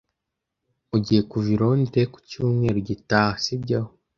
Ugiye kuva i Londres ku cyumweru gitaha, sibyo?